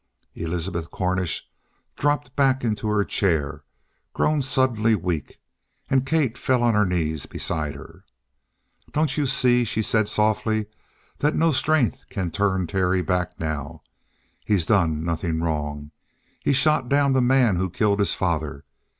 Elizabeth Cornish dropped back into her chair, grown suddenly weak, and Kate fell on her knees beside her. "Don't you see," she said softly, "that no strength can turn Terry back now? He's done nothing wrong. He shot down the man who killed his father.